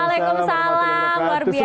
waalaikumsalam luar biasa